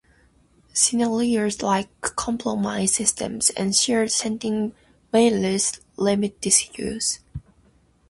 Scenarios like compromised systems and shared sending mailers limit this use.